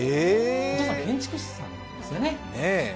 お父さん、建築士さんですよね。